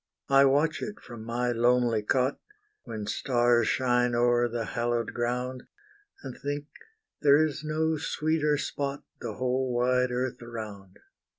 I watch it from my lonely cot, When stars shine o'er the hallowed ground, And think there is no sweeter spot, The whole wide earth around.